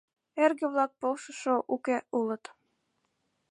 Эрге-влак полшышо уке улыт.